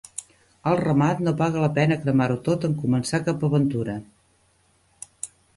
Al remat, no paga la pena cremar-ho tot en començar cap aventura.